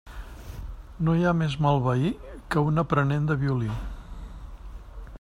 No hi ha més mal veí que un aprenent de violí.